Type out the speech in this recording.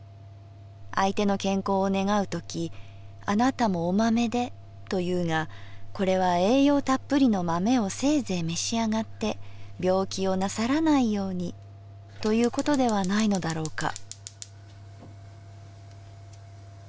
相手の健康を願うときというがこれは栄養たっぷりの豆をせいぜい召し上って病気をなさらないようにということではないのだろうか」。